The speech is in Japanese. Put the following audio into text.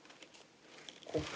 ここ。